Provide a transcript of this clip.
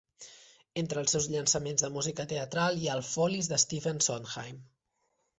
Entre els seus llançaments de música teatral hi ha el "Follies" de Stephen Sondheim.